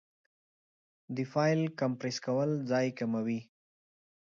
د فایل کمپریس کول ځای کموي.